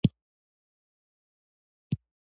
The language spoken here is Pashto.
دهمدې اهرامونو شاته د فرعون یوه ستره مجسمه جوړه کړې وه.